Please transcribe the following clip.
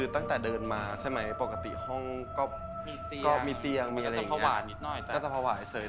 ตั้งแต่เดินมาใช่มั้ยห้องก็จะมีเตียงก็จะพาหว่าเฉย